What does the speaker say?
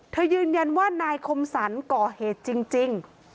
ยืนยันว่านายคมสรรก่อเหตุจริง